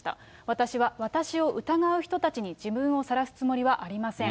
私は、私を疑う人たちに自分をさらすつもりはありません。